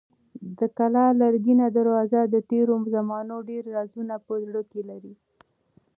د کلا لرګینه دروازه د تېرو زمانو ډېر رازونه په زړه کې لري.